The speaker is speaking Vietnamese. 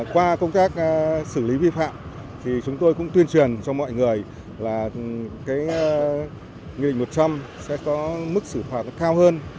qua công tác xử lý vi phạm thì chúng tôi cũng tuyên truyền cho mọi người là cái nghị định một trăm linh sẽ có mức xử phạt cao hơn